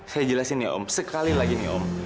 saya jelasin ya om sekali lagi nih om